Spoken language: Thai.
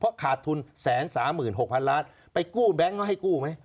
ขาดทุน๑๓๖๐๐๐ล้านไปกู้แบงค์เขาให้กู้ไหม